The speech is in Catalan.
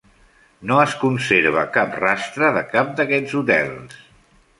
No es conserva cap rastre de cap d'aquests hotels.